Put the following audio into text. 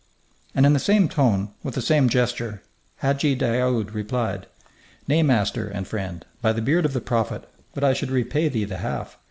And in the same tone, with the same gesture, Hadji Daoud replied: "Nay, master and friend, by the Beard of the Prophet, but I should repay thee the half.